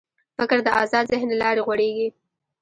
فکر د آزاد ذهن له لارې غوړېږي.